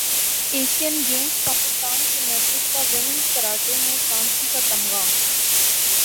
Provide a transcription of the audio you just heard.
Asian Games Pakistan کی نرگس کا women's karate میں کانسی کا تمغہ